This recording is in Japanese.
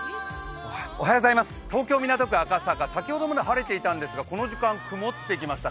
東京・港区赤坂、先ほどまで晴れていたんですがこの時間曇ってきました